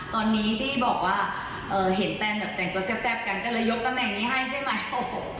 ตอนนี้ที่บอกว่าเห็นแฟนแบบแต่งตัวแซ่บกันก็เลยยกตำแหน่งนี้ให้ใช่ไหม